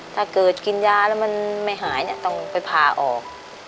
ถ้าเกิดกินยาแล้วมันไม่หายเนี่ยต้องไปพาออก